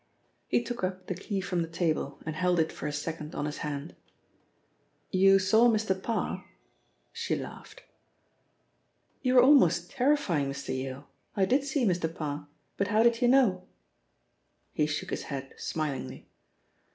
He took up the key from the table and held it for a second on his hand. "You saw Mr. Parr?" She laughed. "You're almost terrifying, Mr. Yale. I did see Mr. Parr, but how did you know?" He shook his head smilingly.